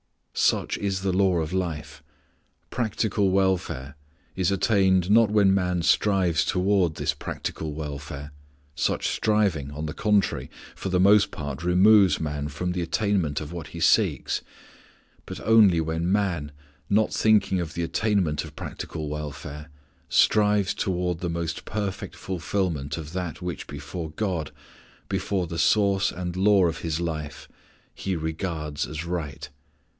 Such is the law of life: practical welfare is attained not when man strives toward this practical welfare such striving, on the contrary, for the most part removes man from the attainment of what he seeks; but only when man, without thinking of the attainment of practical welfare, strives toward the most perfect fulfilment of that which before God, before the Source and Law of his life, he regards as right.